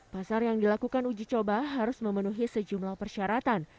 pasar yang dilakukan uji coba harus memenuhi sejumlah persyaratan